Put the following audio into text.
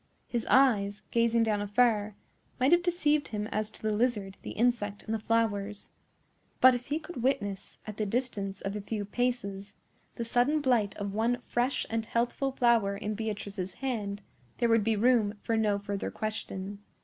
His eyes, gazing down afar, might have deceived him as to the lizard, the insect, and the flowers; but if he could witness, at the distance of a few paces, the sudden blight of one fresh and healthful flower in Beatrice's hand, there would be room for no further question.